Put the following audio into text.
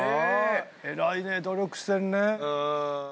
偉いね努力してるね。